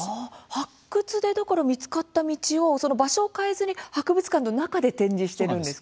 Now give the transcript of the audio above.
発掘で見つかった道を場所を変えずに博物館の中で展示しているんですか。